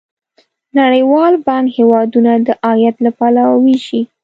نړیوال بانک هیوادونه د عاید له پلوه ویشي.